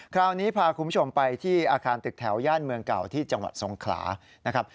คราวนี้พาคุณผู้ชมไปที่อาคารตึกแถวย่านเมืองเก่าที่จังหวัดสงขลานะครับ